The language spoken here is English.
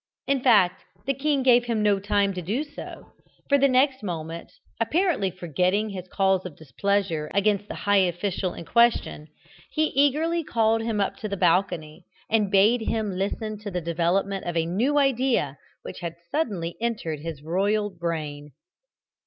In fact, the king gave him no time to do so, for the next moment, apparently forgetting his cause of displeasure against the high official in question, he eagerly called him up to the balcony, and bade him listen to the development of a new idea which had suddenly entered his royal brain.